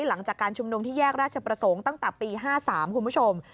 หลังจากการชุมนุมที่แยกราชประสงค์ตั้งแต่ปี๕๓คุณผู้ชม